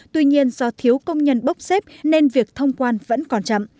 tuy nhiên do thiếu công nhân bốc xếp nên việc thông quan vẫn còn chậm